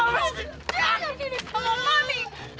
lu kayak sadap dong ah